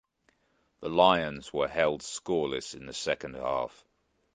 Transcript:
The Lions were held scoreless in the second half.